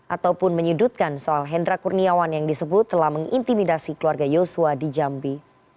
ataupun menyudutkan soal hendra kurniawan yang disebut telah mengintimidasi keluarga yosua di jambi